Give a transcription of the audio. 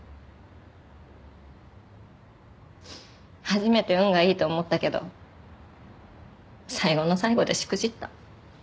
初めて運がいいと思ったけど最後の最後でしくじった。